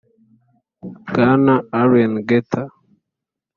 bwana alain gauthier